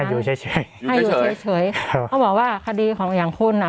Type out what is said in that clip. อยู่เฉยเฉยให้อยู่เฉยเฉยครับเขาบอกว่าคดีของอย่างคุณอ่ะ